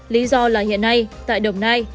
lý do là hiện nay tại đồng nai